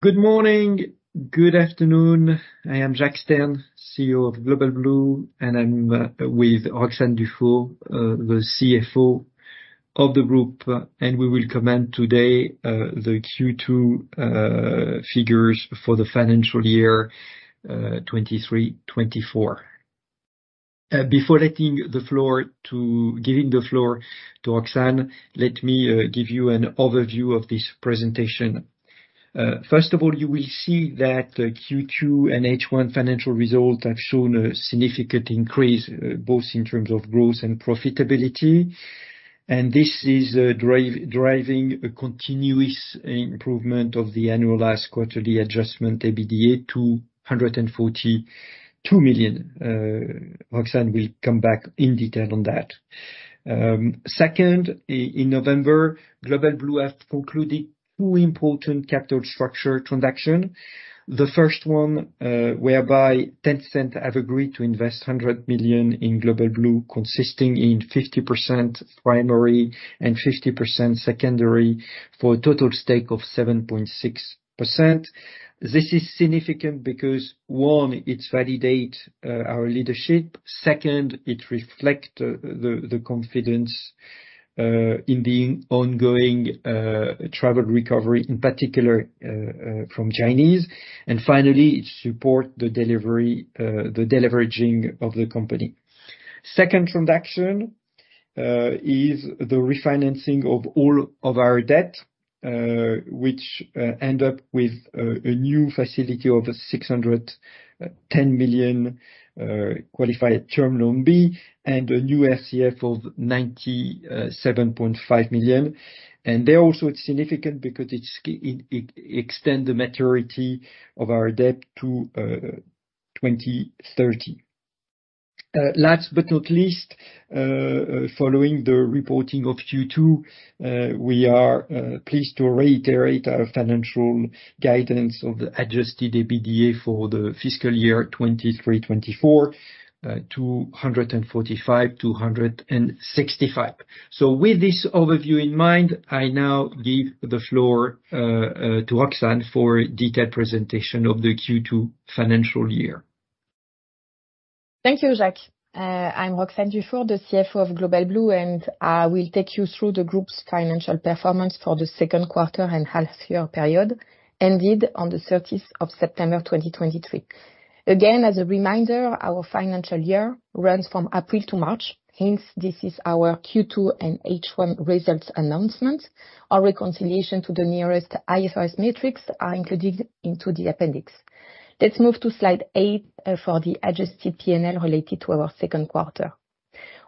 Good morning, good afternoon. I am Jacques Stern, CEO of Global Blue, and I'm with Roxane Dufour, the CFO of the group. And we will comment today the Q2 figures for the financial year 2023-2024. Before giving the floor to Roxane, let me give you an overview of this presentation. First of all, you will see that the Q2 and H1 financial results have shown a significant increase both in terms of growth and profitability. And this is driving a continuous improvement of the annual last quarterly adjustment, EBITDA, to 142 million. Roxane will come back in detail on that. Second, in November, Global Blue have concluded two important capital structure transaction. The first one, whereby Tencent have agreed to invest $100 million in Global Blue, consisting in 50% primary and 50% secondary, for a total stake of 7.6%. This is significant because, one, it validate our leadership. Second, it reflect the confidence in the ongoing travel recovery, in particular, from Chinese. And finally, it support the delivery, the deleveraging of the company. Second transaction is the refinancing of all of our debt, which end up with a new facility of €610 million qualified Term Loan B and a new SCF of €97.5 million. And there also it's significant because it extend the maturity of our debt to 2030. Last but not least, following the reporting of Q2, we are pleased to reiterate our financial guidance of the Adjusted EBITDA for the fiscal year 2023/24, 245-265. With this overview in mind, I now give the floor to Roxane for detailed presentation of the Q2 financial year. Thank you, Jacques. I'm Roxane Dufour, the CFO of Global Blue, and I will take you through the group's financial performance for the second quarter and half year period, ended on the 13th of September 2023. Again, as a reminder, our financial year runs from April to March, hence, this is our Q2 and H1 results announcement. Our reconciliation to the nearest IFRS metrics are included in the appendix. Let's move to slide eight for the adjusted P&L related to our second quarter.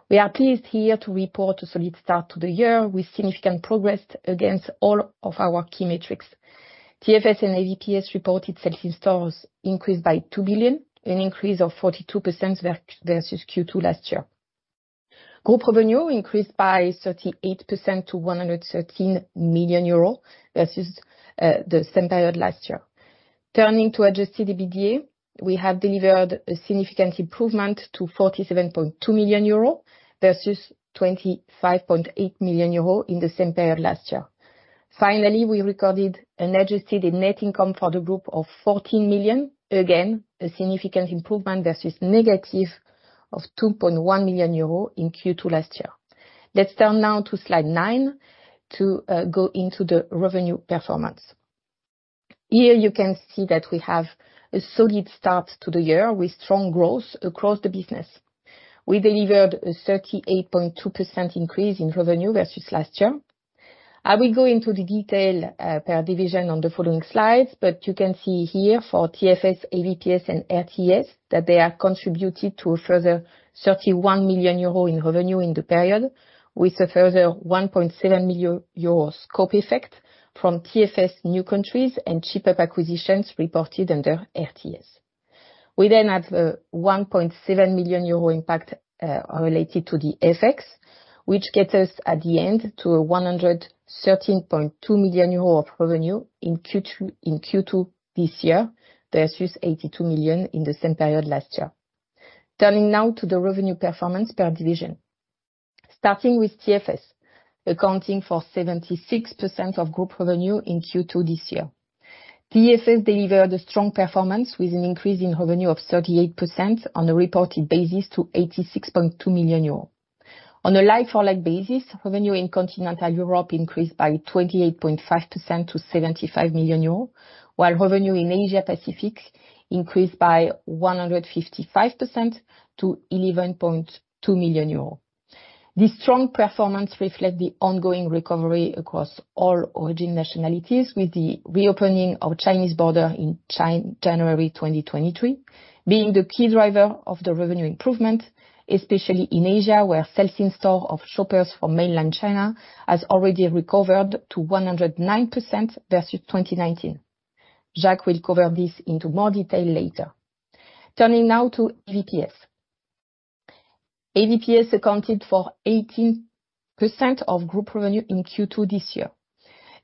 We are pleased here to report a solid start to the year with significant progress against all of our key metrics. TFS and AVPS reported sales increased by 2 billion, an increase of 42% versus Q2 last year. Group revenue increased by 38% to 113 million euro versus the same period last year. Turning to Adjusted EBITDA, we have delivered a significant improvement to 47.2 million euro versus 25.8 million euro in the same period last year. Finally, we recorded an adjusted net income for the group of 14 million. Again, a significant improvement versus negative of 2.1 million euros in Q2 last year. Let's turn now to slide nine, to go into the revenue performance. Here, you can see that we have a solid start to the year with strong growth across the business. We delivered a 38.2% increase in revenue versus last year. I will go into the detail per division on the following slides, but you can see here for TFS, AVPS, and RTS, that they have contributed to a further 31 million euro in revenue in the period, with a further 1.7 million euro scope effect from TFS new countries and Shipup acquisitions reported under RTS. We then have a 1.7 million euro impact related to the FX, which gets us, at the end, to 113.2 million euro of revenue in Q2, in Q2 this year, versus 82 million in the same period last year. Turning now to the revenue performance per division. Starting with TFS, accounting for 76% of group revenue in Q2 this year. TFS delivered a strong performance, with an increase in revenue of 38% on a reported basis to 86.2 million euros. On a like-for-like basis, revenue in Continental Europe increased by 28.5% to 75 million euros, while revenue in Asia Pacific increased by 155% to 11.2 million euros. This strong performance reflect the ongoing recovery across all origin nationalities, with the reopening of Chinese border in January 2023, being the key driver of the revenue improvement, especially in Asia, where influx of shoppers from mainland China has already recovered to 109% versus 2019. Jacques will cover this into more detail later. Turning now to AVPS. AVPS accounted for 18% of group revenue in Q2 this year.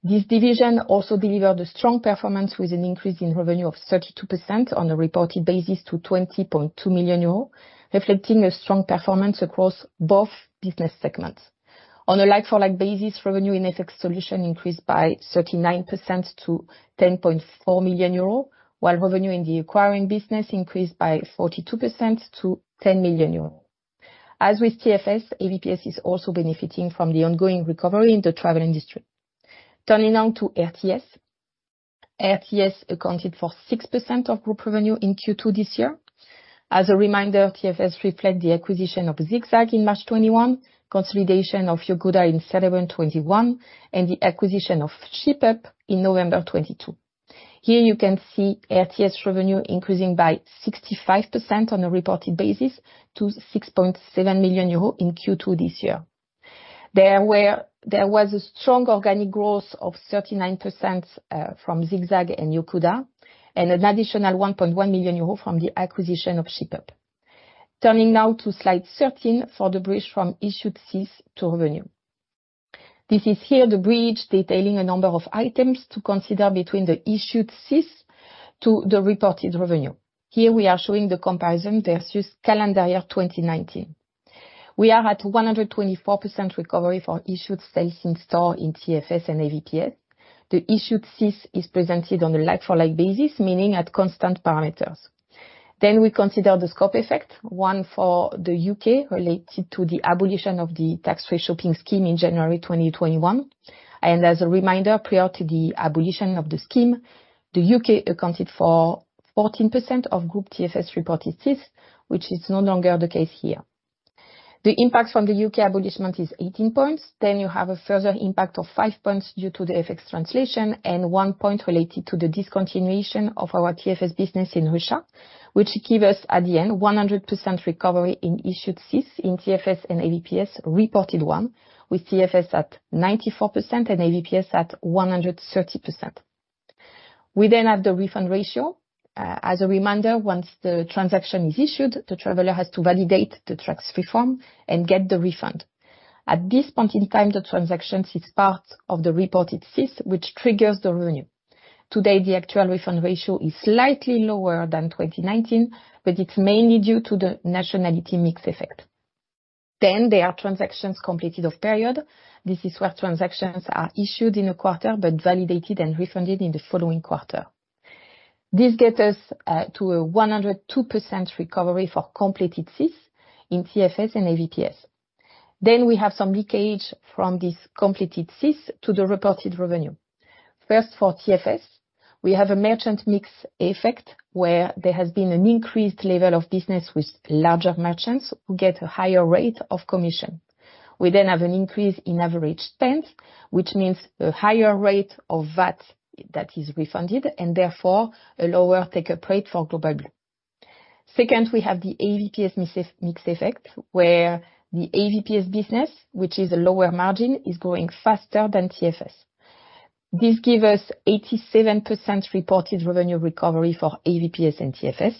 This division also delivered a strong performance, with an increase in revenue of 32% on a reported basis to 20.2 million euros, reflecting a strong performance across both business segments. On a like-for-like basis, revenue in FX Solution increased by 39% to 10.4 million euro, while revenue in the acquiring business increased by 42% to 10 million euro. As with TFS, AVPS is also benefiting from the ongoing recovery in the travel industry. Turning now to RTS. RTS accounted for 6% of group revenue in Q2 this year. As a reminder, RTS reflects the acquisition of ZigZag in March 2021, consolidation of Yocuda in September 2021, and the acquisition of Shipup in November 2022. Here you can see RTS revenue increasing by 65% on a reported basis to 6.7 million euros in Q2 this year. There was a strong organic growth of 39% from ZigZag and Yocuda, and an additional 1.1 million euro from the acquisition of Shipup. Turning now to slide 13 for the bridge from issued SIS to revenue. This is here the bridge detailing a number of items to consider between the issued SIS to the reported revenue. Here we are showing the comparison versus calendar year 2019. We are at 124% recovery for issued sales in-store in TFS and AVPS. The issued SIS is presented on a like-for-like basis, meaning at constant parameters. Then we consider the scope effect, one for the U.K., related to the abolition of the tax-free shopping scheme in January 2021. As a reminder, prior to the abolition of the scheme, the U.K. accounted for 14% of group TFS reported SIS, which is no longer the case here. The impact from the U.K. abolition is 18 points. Then you have a further impact of five points due to the FX translation and one point related to the discontinuation of our TFS business in Russia, which give us, at the end, 100% recovery in issued SIS in TFS and AVPS, reported one, with TFS at 94% and AVPS at 130%. We then have the refund ratio. As a reminder, once the transaction is issued, the traveler has to validate the tax-free form and get the refund. At this point in time, the transaction is part of the reported SIS, which triggers the revenue. Today, the actual refund ratio is slightly lower than 2019, but it's mainly due to the nationality mix effect. Then there are transactions completed of period. This is where transactions are issued in a quarter, but validated and refunded in the following quarter. This gets us to a 102% recovery for completed SIS in TFS and AVPS. Then we have some leakage from this completed SIS to the reported revenue. First, for TFS, we have a merchant mix effect, where there has been an increased level of business with larger merchants who get a higher rate of commission. We then have an increase in average spends, which means a higher rate of VAT that is refunded, and therefore a lower take-up rate for Global Blue. Second, we have the AVPS mix effect, where the AVPS business, which is a lower margin, is growing faster than TFS. This give us 87% reported revenue recovery for AVPS and TFS.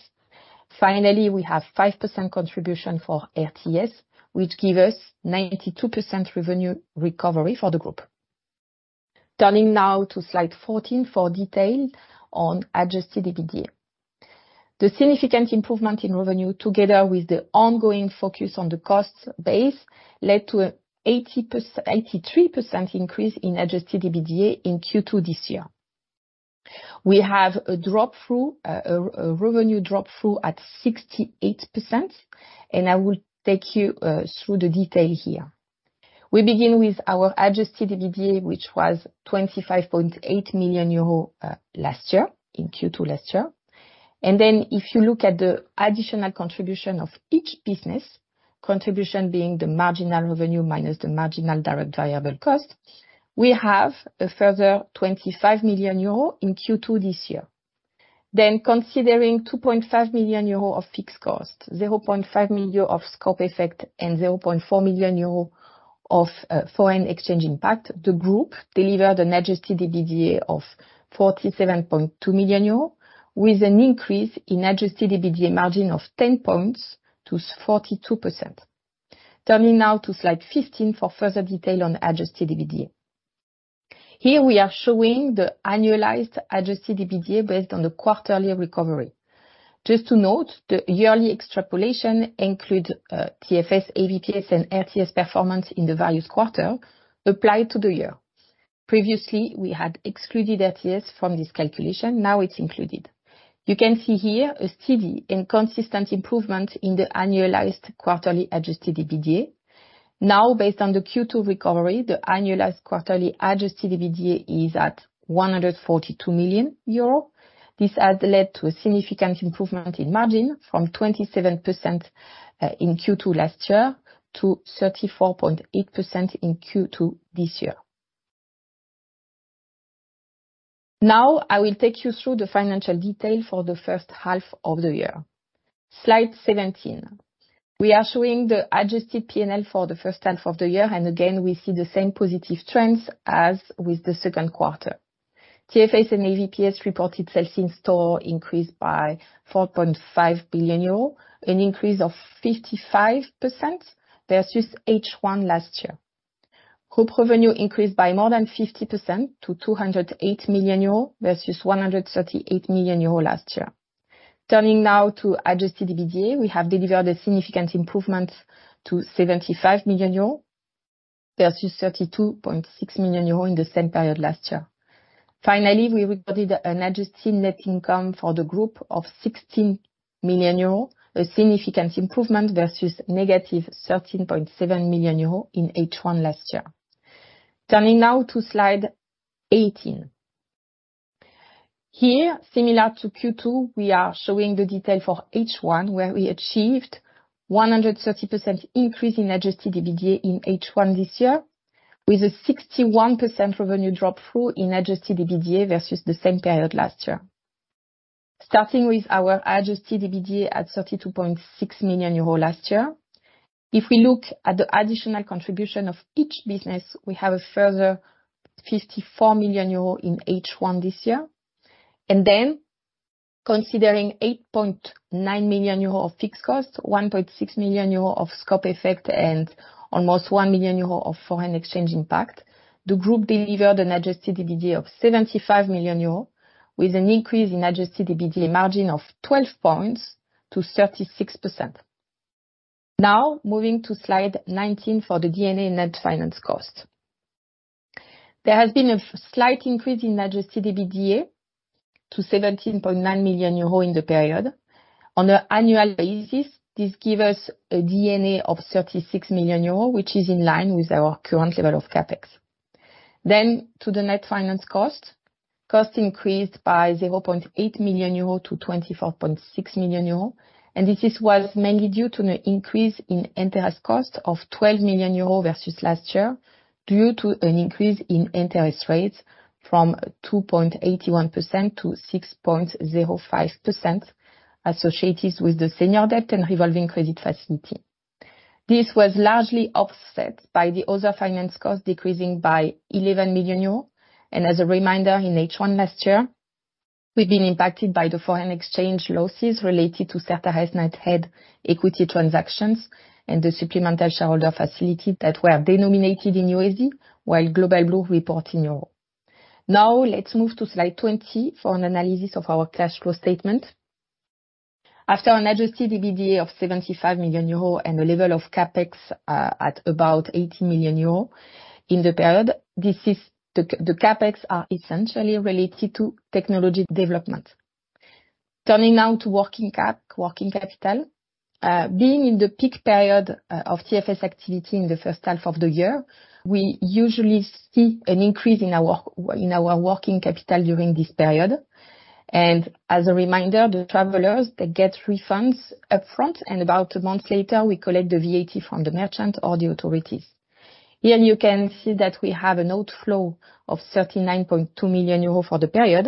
Finally, we have 5% contribution for RTS, which give us 92% revenue recovery for the group. Turning now to slide 14 for detail on Adjusted EBITDA. The significant improvement in revenue, together with the ongoing focus on the cost base, led to an 83% increase in Adjusted EBITDA in Q2 this year. We have a drop-through, a revenue drop-through at 68%, and I will take you through the detail here. We begin with our Adjusted EBITDA, which was 25.8 million euro last year in Q2 last year. And then, if you look at the additional contribution of each business, contribution being the marginal revenue minus the marginal direct variable cost, we have a further 25 million euro in Q2 this year. Then, considering 2.5 million euro of fixed costs, 0.5 million of scope effect, and 0.4 million euro of foreign exchange impact, the group delivered an Adjusted EBITDA of 47.2 million euro, with an increase in Adjusted EBITDA margin of 10 points to 42%. Turning now to slide 15 for further detail on Adjusted EBITDA. Here, we are showing the annualized Adjusted EBITDA based on the quarterly recovery. Just to note, the yearly extrapolation includes TFS, AVPS, and RTS performance in the various quarter applied to the year. Previously, we had excluded RTS from this calculation. Now it's included. You can see here a steady and consistent improvement in the annualized quarterly Adjusted EBITDA. Now, based on the Q2 recovery, the annualized quarterly Adjusted EBITDA is at 142 million euro. This has led to a significant improvement in margin from 27% in Q2 last year to 34.8% in Q2 this year. Now, I will take you through the financial detail for the first half of the year. Slide 17. We are showing the adjusted P&L for the first half of the year, and again, we see the same positive trends as with the second quarter. TFS and AVPS reported sales in-store increased by 4.5 billion euros, an increase of 55% versus H1 last year. Group revenue increased by more than 50% to 208 million euros, versus 138 million euros last year. Turning now to Adjusted EBITDA. We have delivered a significant improvement to 75 million euro, versus 32.6 million euro in the same period last year. Finally, we recorded an adjusted net income for the group of 16 million euro, a significant improvement versus -13.7 million euro in H1 last year. Turning now to slide 18. Here, similar to Q2, we are showing the detail for H1, where we achieved 130% increase in Adjusted EBITDA in H1 this year, with a 61% revenue drop through in Adjusted EBITDA versus the same period last year. Starting with our Adjusted EBITDA at 32.6 million euro last year, if we look at the additional contribution of each business, we have a further 54 million euro in H1 this year. Then, considering 8.9 million euro of fixed costs, 1.6 million euro of scope effect, and almost 1 million euro of foreign exchange impact, the group delivered an Adjusted EBITDA of 75 million euro, with an increase in Adjusted EBITDA margin of 12 points to 36%. Now, moving to slide 19 for the D&A net finance cost. There has been a slight increase in Adjusted EBITDA to 17.9 million euros in the period. On an annual basis, this give us a D&A of 36 million euros, which is in line with our current level of CapEx. To the net finance cost, cost increased by 0.8 million euro to 24.6 million euro, and this was mainly due to an increase in interest cost of 12 million euro versus last year, due to an increase in interest rates from 2.81% to 6.05%, associated with the senior debt and revolving credit facility. This was largely offset by the other finance costs, decreasing by 11 million euros. As a reminder, in H1 last year, we've been impacted by the foreign exchange losses related to certain unhedged equity transactions and the supplemental shareholder facility that were denominated in USD, while Global Blue report in euro. Now, let's move to slide 20 for an analysis of our cash flow statement. After an Adjusted EBITDA of 75 million euros and a level of CapEx at about 80 million euros in the period, this is the CapEx are essentially related to technology development. Turning now to working capital. Being in the peak period of TFS activity in the first half of the year, we usually see an increase in our working capital during this period. As a reminder, the travelers, they get refunds upfront, and about a month later, we collect the VAT from the merchant or the authorities. Here, you can see that we have an outflow of 39.2 million euros for the period,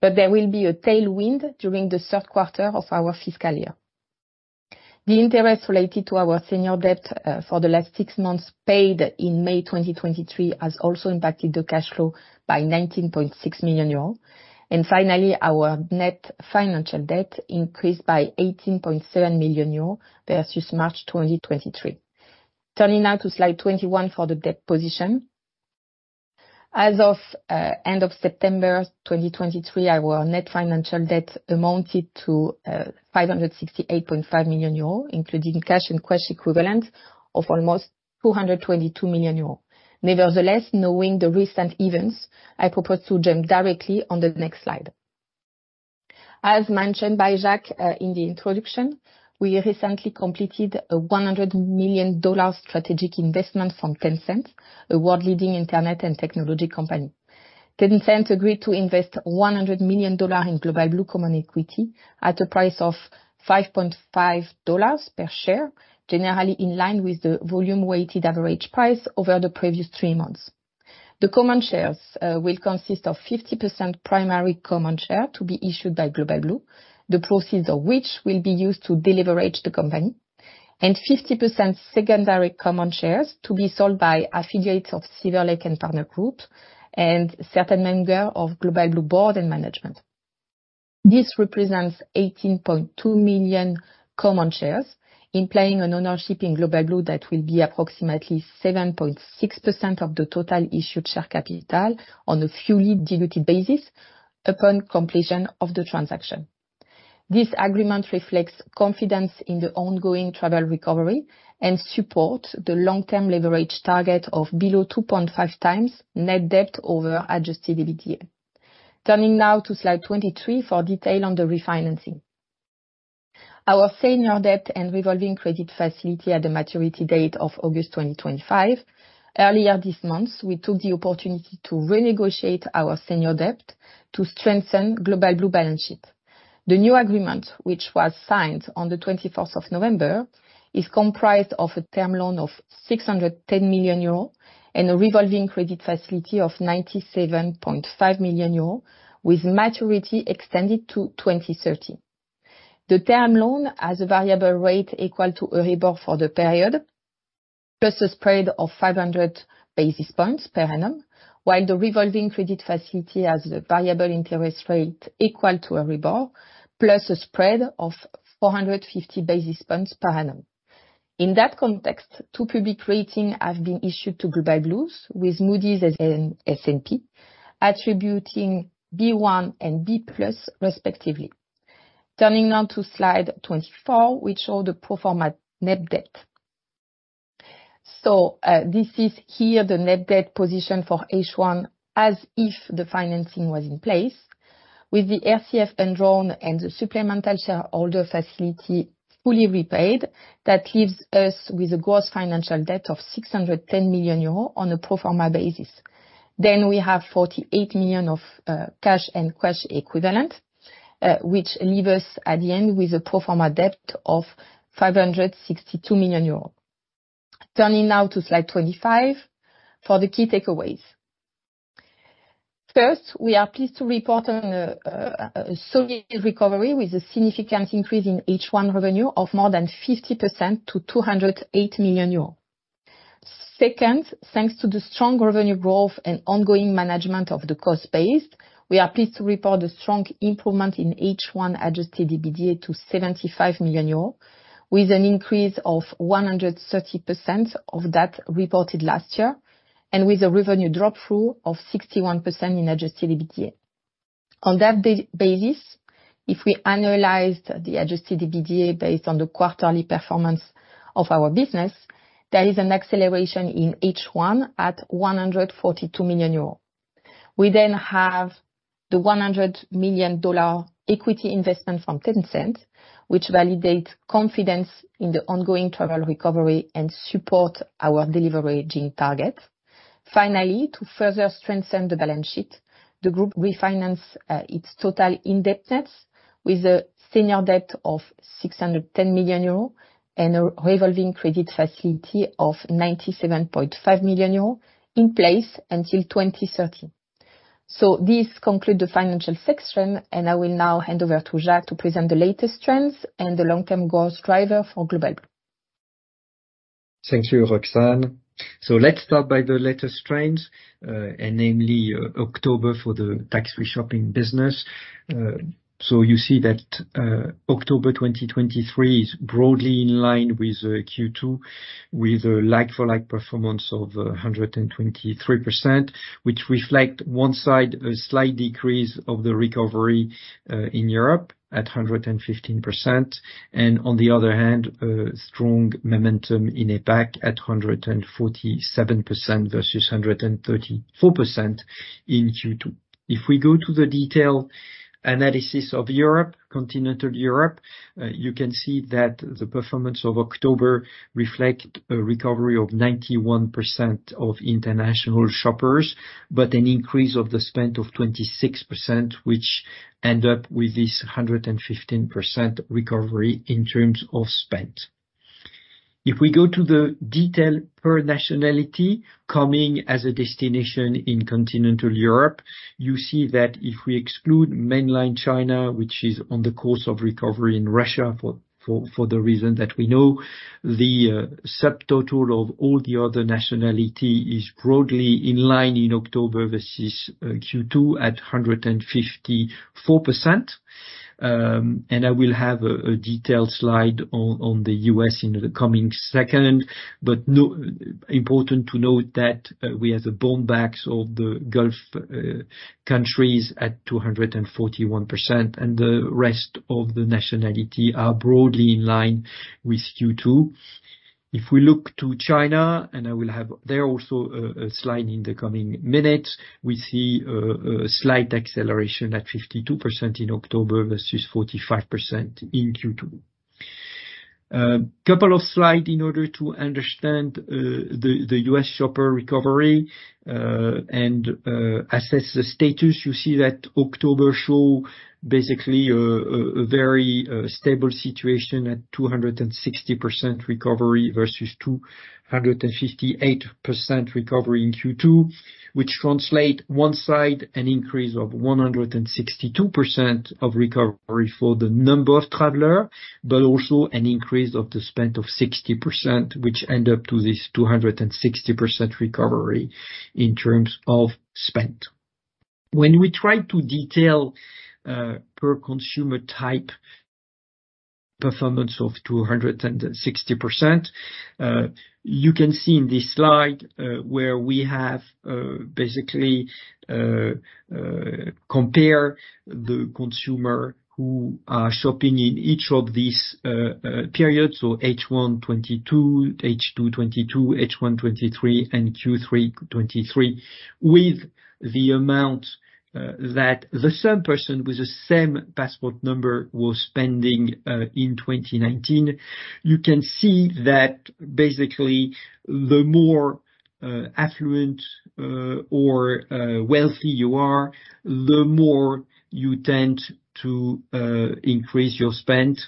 but there will be a tailwind during the third quarter of our fiscal year. The interest related to our senior debt for the last six months, paid in May 2023, has also impacted the cash flow by 19.6 million euros. Finally, our net financial debt increased by 18.7 million euros versus March 2023. Turning now to slide 21 for the debt position. As of end of September 2023, our net financial debt amounted to 568.5 million euros, including cash and cash equivalents of almost 222 million euros. Nevertheless, knowing the recent events, I propose to jump directly on the next slide. As mentioned by Jack in the introduction, we recently completed a $100 million strategic investment from Tencent, a world-leading internet and technology company. Tencent agreed to invest $100 million in Global Blue common equity at a price of $5.5 per share, generally in line with the volume weighted average price over the previous three months. The common shares will consist of 50% primary common share to be issued by Global Blue, the proceeds of which will be used to deleverage the company, and 50% secondary common shares to be sold by affiliates of Silver Lake and Partners Group, and certain members of Global Blue Board and Management. This represents 18.2 million common shares, implying an ownership in Global Blue that will be approximately 7.6% of the total issued share capital on a fully diluted basis upon completion of the transaction. This agreement reflects confidence in the ongoing travel recovery and support the long-term leverage target of below 2.5 times net debt over Adjusted EBITDA. Turning now to slide 23 for detail on the refinancing. Our senior debt and revolving credit facility had a maturity date of August 2025. Earlier this month, we took the opportunity to renegotiate our senior debt to strengthen Global Blue balance sheet. The new agreement, which was signed on the 21st of November, is comprised of a term loan of 610 million euro and a revolving credit facility of 97.5 million euro, with maturity extended to 2030. The term loan has a variable rate equal to EURIBOR for the period.... plus a spread of 500 basis points per annum, while the revolving credit facility has a variable interest rate equal to EURIBOR, plus a spread of 450 basis points per annum. In that context, two public ratings have been issued to Global Blue, with Moody's and S&P attributing B1 and B+ respectively. Turning now to slide 24, which shows the pro forma net debt. So, this is here the net debt position for H1, as if the financing was in place. With the RCF undrawn and the supplemental shareholder facility fully repaid, that leaves us with a gross financial debt of 610 million euros on a pro forma basis. Then we have 48 million of cash and cash equivalent, which leave us at the end with a pro forma debt of 562 million euros. Turning now to slide 25, for the key takeaways. First, we are pleased to report on a solid recovery with a significant increase in H1 revenue of more than 50% to 208 million euros. Second, thanks to the strong revenue growth and ongoing management of the cost base, we are pleased to report a strong improvement in H1 Adjusted EBITDA to 75 million euros, with an increase of 130% of that reported last year, and with a revenue Drop-through of 61% in Adjusted EBITDA. On that basis, if we annualized the Adjusted EBITDA based on the quarterly performance of our business, there is an acceleration in H1 at 142 million euros. We then have the $100 million equity investment from Tencent, which validates confidence in the ongoing travel recovery and support our deleveraging target. Finally, to further strengthen the balance sheet, the Group has refinanced its total indebtedness with a senior debt of 610 million euros and a revolving credit facility of 97.5 million euros in place until 2030. So this concludes the financial section, and I will now hand over to Jacques to present the latest trends and the long-term growth driver for Global Blue. Thank you, Roxane. So let's start by the latest trends, and namely, October for the tax-free shopping business. So you see that, October 2023 is broadly in line with, Q2, with a like-for-like performance of, 123%, which reflect one side, a slight decrease of the recovery, in Europe at 115%, and on the other hand, a strong momentum in APAC at 147% versus 134% in Q2. If we go to the detailed analysis of Europe, continental Europe, you can see that the performance of October reflect a recovery of 91% of international shoppers, but an increase of the spend of 26%, which end up with this 115% recovery in terms of spend. If we go to the detail per nationality, coming as a destination in Continental Europe, you see that if we exclude mainland China, which is on the course of recovery in Russia, for the reason that we know, the subtotal of all the other nationality is broadly in line in October versus Q2 at 154%. And I will have a detailed slide on the U.S. in the coming second. But no, important to note that we have the bounce backs of the Gulf countries at 241%, and the rest of the nationality are broadly in line with Q2. If we look to China, and I will have there also a slide in the coming minutes, we see a slight acceleration at 52% in October versus 45% in Q2. Couple of slides in order to understand the U.S. shopper recovery and assess the status. You see that October shows basically a very stable situation at 260% recovery versus 258% recovery in Q2, which translates on one side an increase of 162% recovery for the number of travelers, but also an increase of the spend of 60%, which ends up to this 260% recovery in terms of spend. When we try to detail per consumer type performance of 260%, you can see in this slide where we have basically compare the consumer who are shopping in each of these periods, so H1 2022, H2 2022, H1 2023, and Q3 2023, with the amount that the same person with the same passport number was spending in 2019. You can see that basically the more affluent or wealthy you are, the more you tend to increase your spend.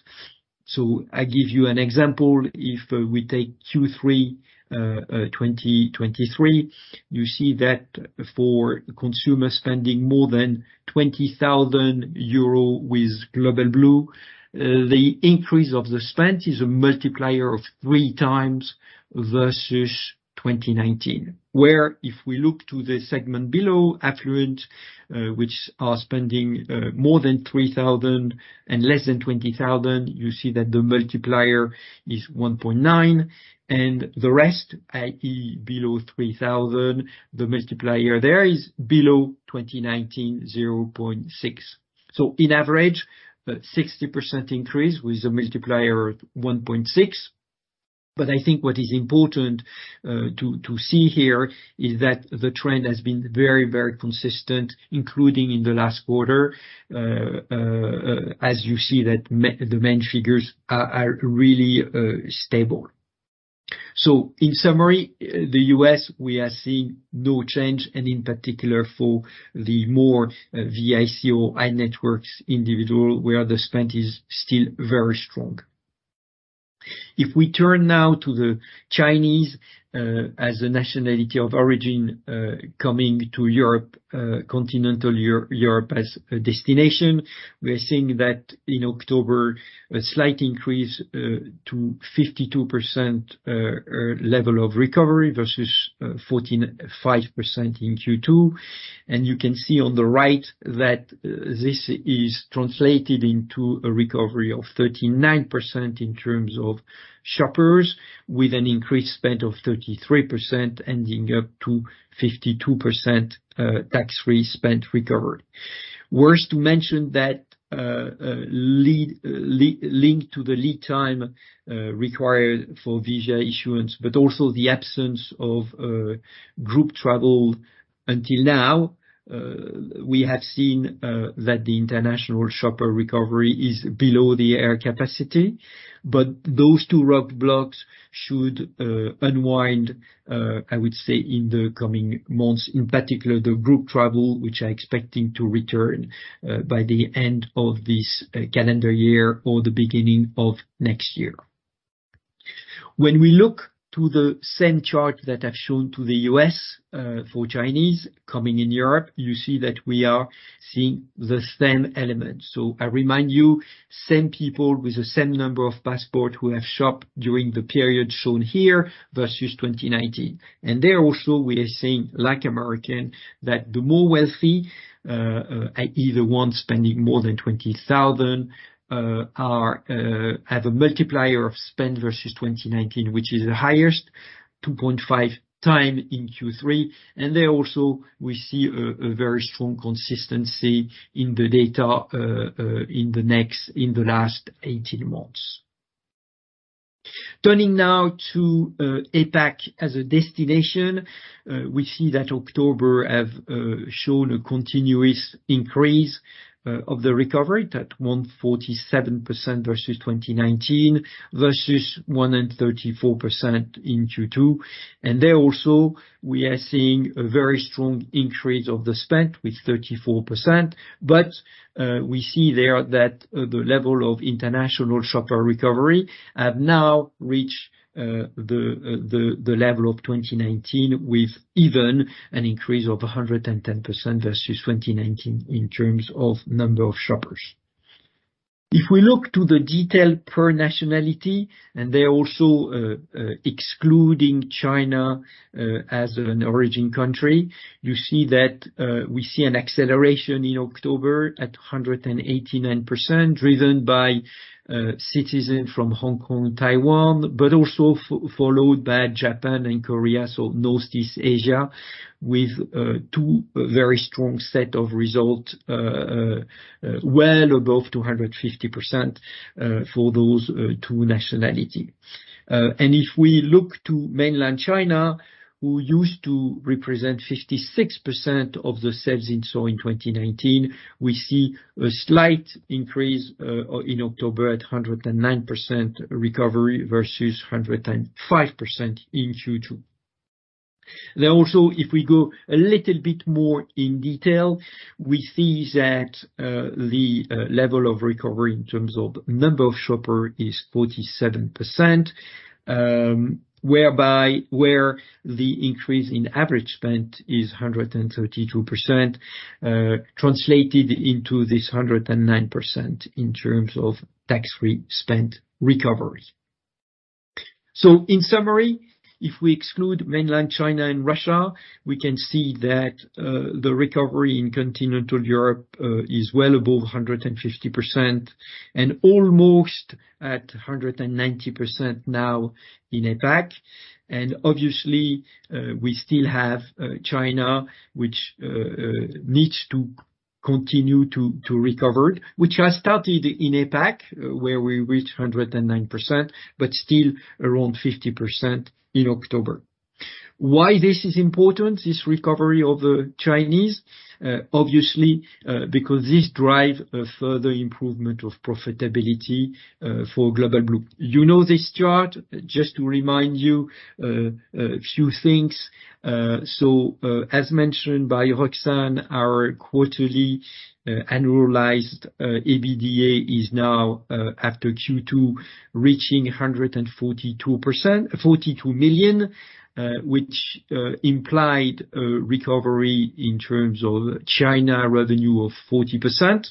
So I give you an example. If we take Q3 2023, you see that for consumer spending more than 20,000 euro with Global Blue, the increase of the spend is a multiplier of 3 times versus 2019. Where if we look to the segment below, affluent, which are spending more than 3,000 and less than 20,000, you see that the multiplier is 1.9, and the rest, i.e., below 3,000, the multiplier there is below 2019 0.6. So in average, 60% increase with a multiplier of 1.6. But I think what is important to see here is that the trend has been very, very consistent, including in the last quarter, as you see that the main figures are really stable. So in summary, the US, we are seeing no change, and in particular, for the more VIC or high-net-worth individual, where the spend is still very strong. If we turn now to the Chinese, as a nationality of origin, coming to Europe, continental Europe as a destination, we are seeing that in October, a slight increase, to 52% level of recovery versus 45% in Q2. You can see on the right that this is translated into a recovery of 39% in terms of shoppers, with an increased spend of 33%, ending up to 52% tax-free spend recovery. It's worth mentioning that, linked to the lead time required for visa issuance, but also the absence of group travel until now, we have seen that the international shopper recovery is below the air capacity, but those two roadblocks should unwind, I would say, in the coming months, in particular, the group travel, which are expecting to return by the end of this calendar year or the beginning of next year. When we look to the same chart that I've shown to the U.S. for Chinese coming in Europe, you see that we are seeing the same elements. So I remind you, same people with the same number of passport who have shopped during the period shown here versus 2019. And there also, we are seeing, like American, that the more wealthy, i.e., the ones spending more than 20,000, are have a multiplier of spend versus 2019, which is the highest, 2.5 time in Q3. And there also we see a very strong consistency in the data, in the last 18 months. Turning now to APAC as a destination, we see that October have shown a continuous increase of the recovery at 147% versus 2019, versus 134% in Q2. And there also, we are seeing a very strong increase of the spend, with 34%. But, we see there that the level of international shopper recovery have now reached the level of 2019, with even an increase of 110% versus 2019 in terms of number of shoppers. If we look to the detail per nationality, and there also, excluding China as an origin country, you see that we see an acceleration in October at 189%, driven by citizens from Hong Kong, Taiwan, but also followed by Japan and Korea, so Northeast Asia, with two very strong set of results well above 250% for those two nationality. And if we look to mainland China, who used to represent 56% of the sales in-store in 2019, we see a slight increase in October, at 109% recovery versus 105% in Q2. There also, if we go a little bit more in detail, we see that the level of recovery in terms of number of shoppers is 47%, whereby the increase in average spend is 132%, translated into this 109% in terms of tax-free spend recovery. So in summary, if we exclude mainland China and Russia, we can see that the recovery in Continental Europe is well above 150% and almost at 190% now in APAC. Obviously, we still have China, which needs to continue to recover, which has started in APAC, where we reached 109%, but still around 50% in October. Why this is important, this recovery of the Chinese? Obviously, because this drive a further improvement of profitability for Global Blue. You know this chart, just to remind you a few things. So, as mentioned by Roxane, our annualized EBITDA is now, after Q2, reaching 142%—EUR 42 million, which implied a recovery in terms of China revenue of 40%.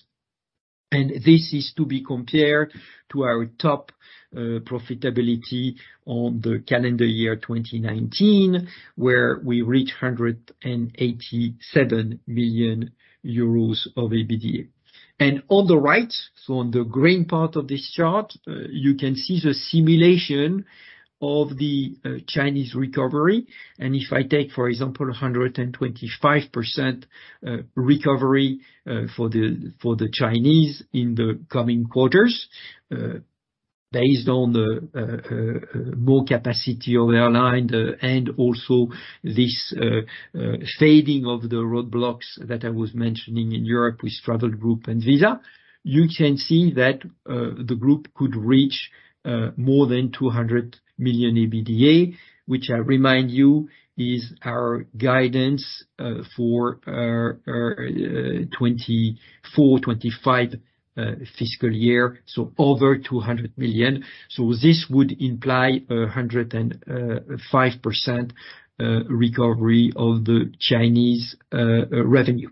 And this is to be compared to our top profitability on the calendar year 2019, where we reached 187 million euros of EBITDA. On the right, so on the green part of this chart, you can see the simulation of the Chinese recovery. If I take, for example, 125% recovery for the Chinese in the coming quarters, based on the more capacity of the airline, and also this fading of the roadblocks that I was mentioning in Europe with travel group and Visa, you can see that the group could reach more than 200 million EBITDA. Which I remind you is our guidance for 2024-2025 fiscal year, so over 200 million. So this would imply a 105% recovery of the Chinese revenue.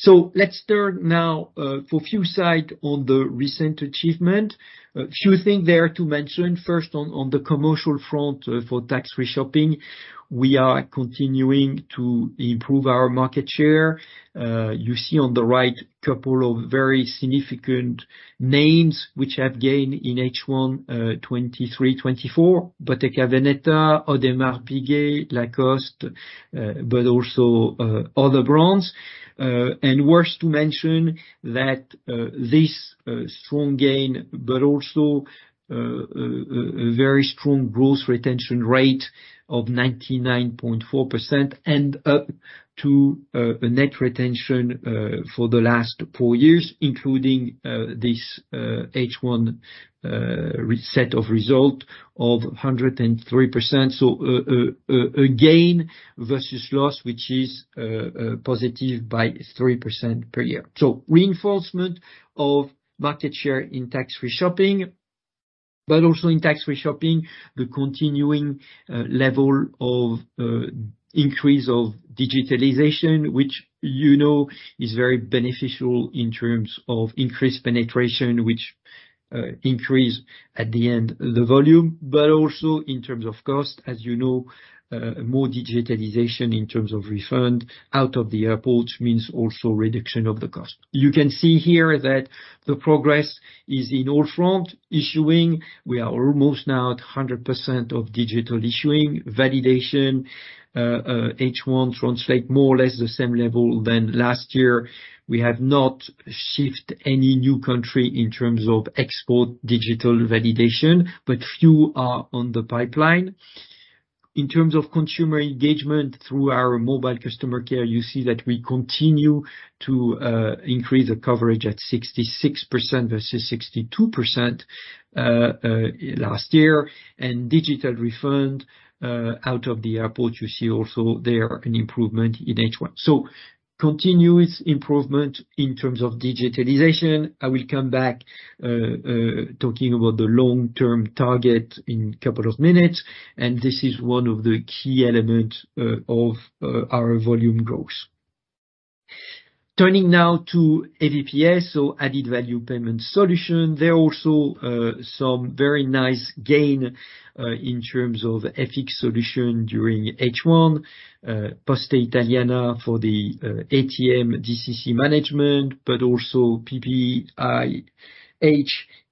So let's turn now for a few slides on the recent achievement. A few things there to mention. First, on the commercial front, for tax-free shopping, we are continuing to improve our market share. You see on the right, couple of very significant names which have gained in H1, 2023, 2024. Bottega Veneta, Audemars Piguet, Lacoste, but also, other brands. And worth to mention that, this strong gain, but also, a very strong gross retention rate of 99.4% and up to, a net retention, for the last four years, including, this H1, set of result of 103%. So, a gain versus loss, which is, positive by 3% per year. So reinforcement of market share in tax-free shopping, but also in tax-free shopping, the continuing level of increase of digitalization, which, you know, is very beneficial in terms of increased penetration, which increase at the end the volume, but also in terms of cost. As you know, more digitalization in terms of refund out of the airports means also reduction of the cost. You can see here that the progress is in all front. Issuing, we are almost now at 100% of digital issuing. Validation, H1 translate more or less the same level than last year. We have not shift any new country in terms of export digital validation, but few are on the pipeline. In terms of consumer engagement through our mobile customer care, you see that we continue to increase the coverage at 66% versus 62% last year. And digital refund out of the airport, you see also there an improvement in H1. So continuous improvement in terms of digitalization. I will come back talking about the long-term target in a couple of minutes, and this is one of the key elements of our volume growth. Turning now to AVPS, so Added Value Payment Solution. There are also some very nice gain in terms of FX solution during H1, Poste Italiane for the ATM DCC management, but also PPIH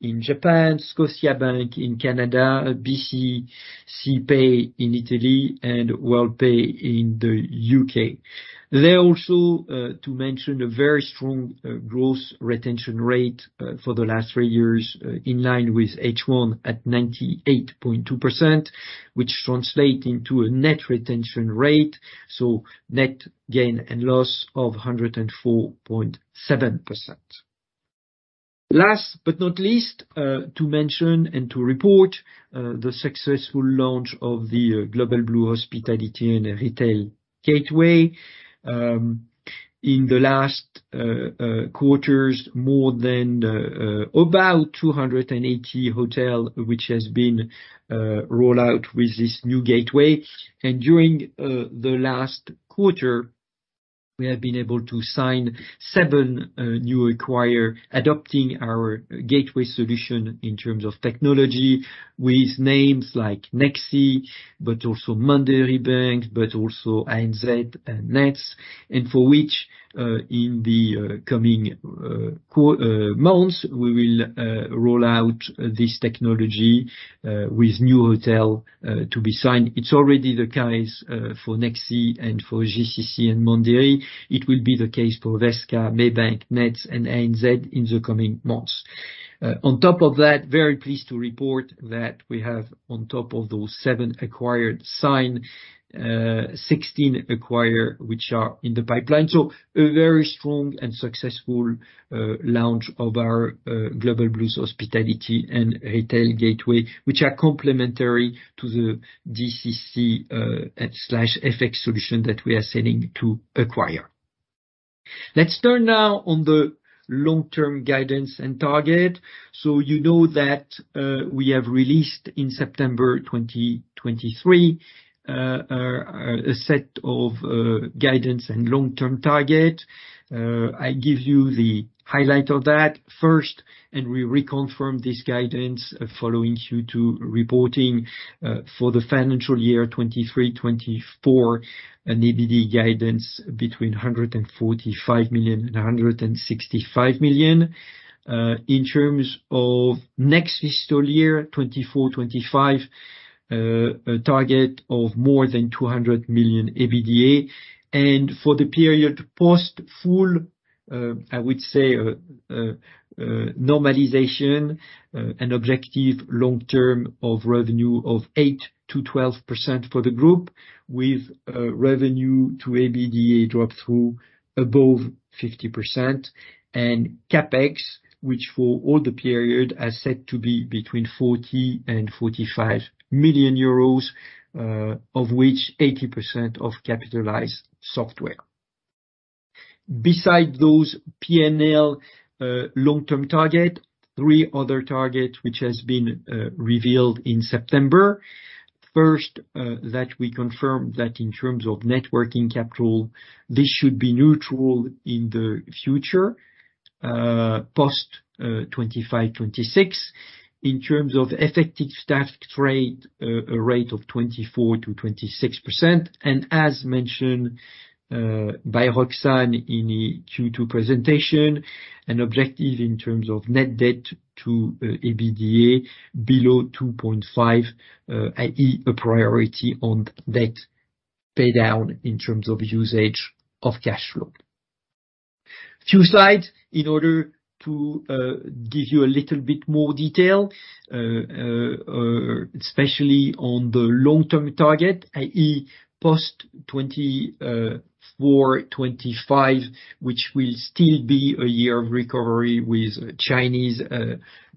in Japan, Scotiabank in Canada, BCC Pay in Italy, and Worldpay in the U.K. They're also to mention a very strong growth retention rate for the last three years in line with H1 at 98.2%, which translate into a net retention rate, so net gain and loss of 104.7%. Last but not least to mention and to report the successful launch of the Global Blue Hospitality and Retail Gateway. In the last quarters, more than about 280 hotels, which has been rolled out with this new gateway. During the last quarter, we have been able to sign 7 new acquirer adopting our gateway solution in terms of technology, with names like Nexi, but also Mandiri Bank, but also ANZ and Nets, and for which in the coming months, we will roll out this technology with new hotel to be signed. It's already the case for Nexi and for GCC and Mandiri. It will be the case for Viseca, Maybank, Nets and ANZ in the coming months. On top of that, very pleased to report that we have on top of those 7 acquired sign, 16 acquire, which are in the pipeline. So a very strong and successful launch of our Global Blue's Hospitality and Retail Gateway, which are complementary to the DCC slash FX solution that we are selling to acquire. Let's turn now on the long-term guidance and target. So you know that we have released in September 2023 a set of guidance and long-term target. I give you the highlight of that first, and we reconfirm this guidance following Q2 reporting for the financial year 2023-2024, an EBITDA guidance between 145 million and 165 million. In terms of next fiscal year 2024-2025, a target of more than 200 million EBITDA. For the period post full normalization, I would say, an objective long-term of revenue of 8%-12% for the group, with a revenue-to-EBITDA drop-through above 50%, and CapEx, which for all the period, are set to be between 40 million and 45 million euros, of which 80% of capitalized software. Besides those P&L long-term target, three other targets which has been revealed in September. First, that we confirmed that in terms of working capital, this should be neutral in the future, post 2025, 2026. In terms of effective tax rate, a rate of 24%-26%. As mentioned by Roxane in the Q2 presentation, an objective in terms of net debt to EBITDA below 2.5, i.e., a priority on debt paydown in terms of usage of cash flow. Few slides in order to give you a little bit more detail, especially on the long-term target, i.e. post-2024-2025, which will still be a year of recovery with Chinese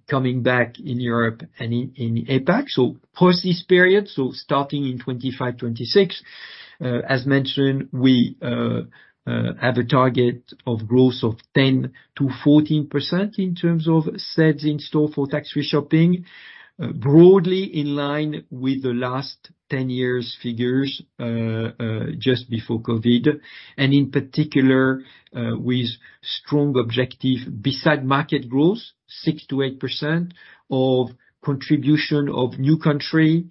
coming back in Europe and in APAC. So post this period, so starting in 2025-2026, as mentioned, we have a target of growth of 10%-14% in terms of sales in store for tax-free shopping, broadly in line with the last 10 years figures just before Covid. In particular, with strong objective beside market growth, 6%-8% contribution of new country,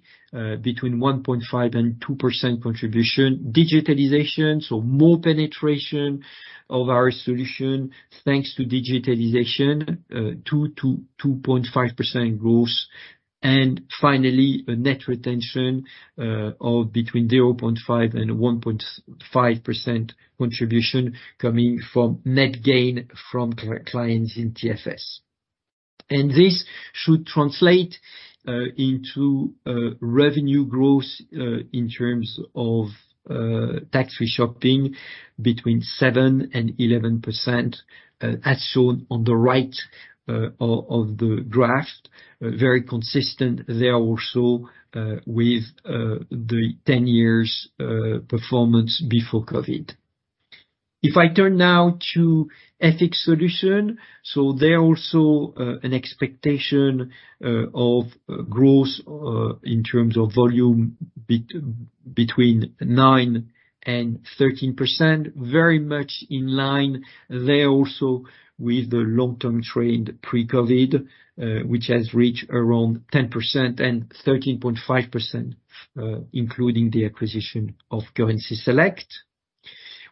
between 1.5% and 2% contribution. Digitalization, so more penetration of our solution thanks to digitalization, 2%-2.5% growth. Finally, a net retention of between 0.5% and 1.5% contribution coming from net gain from our clients in TFS. And this should translate into revenue growth in terms of tax-free shopping between 7% and 11%, as shown on the right of the graph. Very consistent there also with the 10 years performance before COVID. If I turn now to FX solution, so there are also an expectation of growth in terms of volume between 9%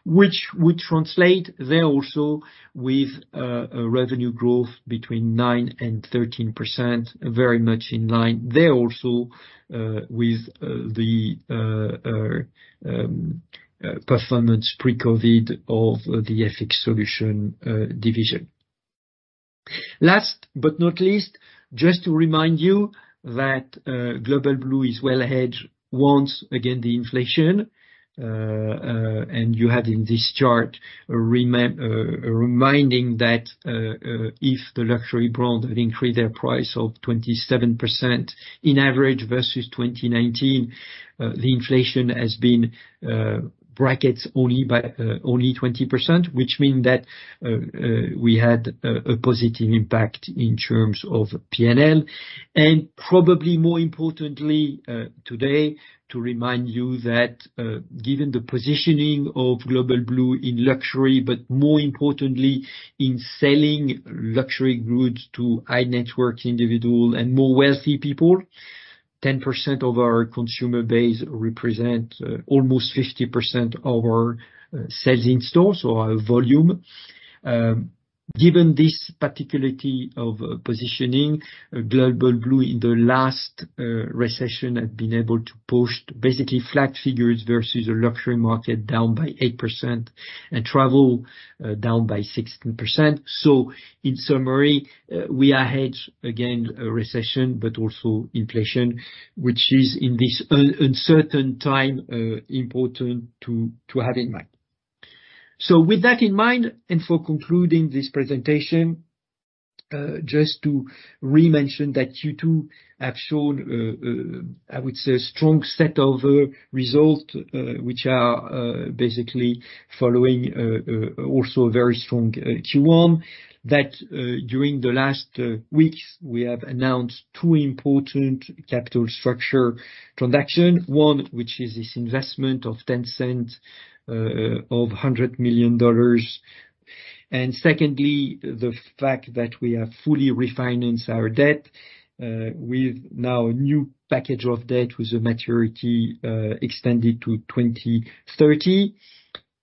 and 13%. Very much in line there also with the long-term trend pre-Covid, which has reached around 10% and 13.5%, including the acquisition of Currencyselect, which would translate there also with a revenue growth between 9%-13%, very much in line there also with the performance pre-Covid of the FX solution division. Last but not least, just to remind you that Global Blue is well ahead once again the inflation. And you had in this chart a reminding that if the luxury brand had increased their price of 27% in average versus 2019, the inflation has been brackets only by only 20%, which mean that we had a positive impact in terms of PNL. Probably more importantly, today, to remind you that, given the positioning of Global Blue in luxury, but more importantly, in selling luxury goods to high-net-worth individual and more wealthy people, 10% of our consumer base represent almost 50% of our sales in store, so our volume. Given this particularity of positioning, Global Blue in the last recession have been able to push basically flat figures versus a luxury market down by 8% and travel down by 16%. So in summary, we are hedged against a recession, but also inflation, which is in this uncertain time, important to, to have in mind. So with that in mind, and for concluding this presentation, just to remention that Q2 have shown, I would say, strong year-over-year result, which are, basically following, also a very strong Q1. That, during the last, weeks, we have announced two important capital structure transaction. One, which is this investment of Tencent of $100 million. And secondly, the fact that we have fully refinanced our debt, with now a new package of debt with a maturity, extended to 2030.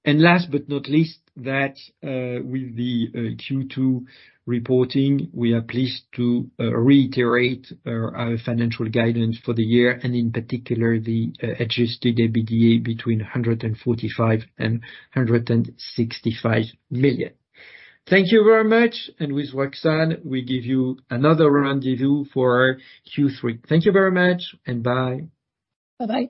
And last but not least, that, with the, Q2 reporting, we are pleased to, reiterate, our financial guidance for the year, and in particular, the, Adjusted EBITDA between 145 million and 165 million. Thank you very much, and with Roxane, we give you another rendezvous for our Q3. Thank you very much, and bye. Bye-bye.